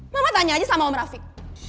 mama tanya aja sama om rafiq